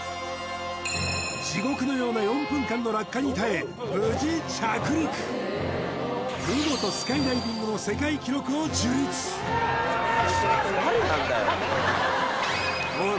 地獄のような４分間の落下に耐え無事着陸見事スカイダイビングの世界記録を樹立おい